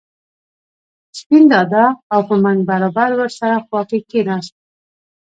سپین دادا او په منګ برابر ور سره خوا کې کېناست.